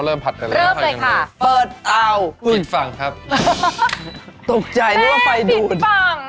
จริงค่ะเชฟเริ่มเลยค่ะเปิดเตาปิดฝั่งครับตกใจนึกว่าไฟดูด